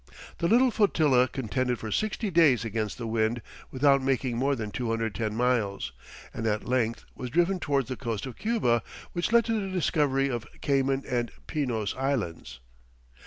The little flotilla contended for sixty days against the wind without making more than 210 miles, and at length was driven towards the coast of Cuba, which led to the discovery of Cayman and Pinos Islands.